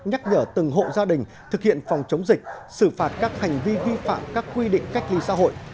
nhắc nhở từng hộ gia đình thực hiện phòng chống dịch xử phạt các hành vi vi phạm các quy định cách ly xã hội